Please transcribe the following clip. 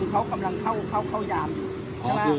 ตอนนี้กำหนังไปคุยของผู้สาวว่ามีคนละตบ